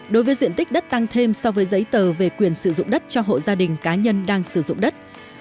đối với diện tích đất tăng thêm so với giấy tờ về quyền sử dụng đất cho hộ gia đình cá nhân đang sử dụng đất